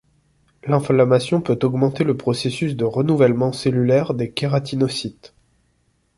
L'inflammation peut augmenter le processus de renouvellement cellulaire des kératinocytes.